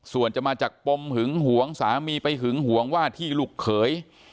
ส่วนจะมาจากปมหึงหวงสามีไปหึงหวงว่าที่ลูกเขย